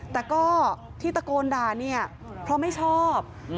แต่ก็ที่ตะโกนด่าเนี่ยเพราะไม่ชอบ